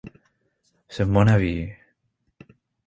C’est mon avis